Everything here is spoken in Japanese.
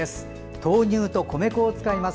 豆乳と米粉を使います。